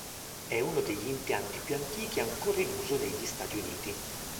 È uno degli impianti più antichi ancora in uso negli Stati Uniti.